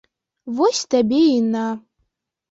Вось табе і на!